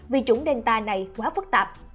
vì chủng delta này quá phức tạp